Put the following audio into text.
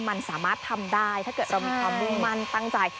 มันสามารถทำได้ถ้าเกิดเรามีความมุ่งมั่นตั้งใจ